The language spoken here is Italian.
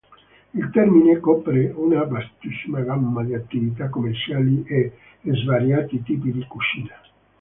Il termine copre una vastissima gamma di attività commerciali e svariati tipi di cucina.